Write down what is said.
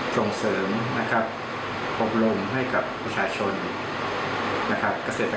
ทรงเสริมพบลงให้กับประชาชน